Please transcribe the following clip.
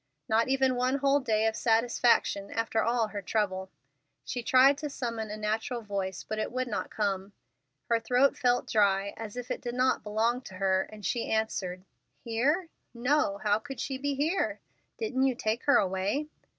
Not even one whole day of satisfaction, after all her trouble! She tried to summon a natural voice, but it would not come. Her throat felt dry, and as if it did not belong to her, as she answered: "Here? No. How could she be here? Didn't you take her away?"